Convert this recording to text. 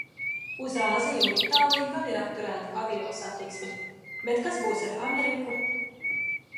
Uz Āziju un Itāliju gan ir apturēta aviosatiksme. Bet kas būs ar Ameriku?